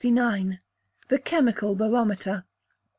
The Chemical Barometer.